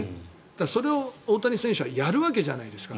それを大谷選手はやるわけじゃないですか。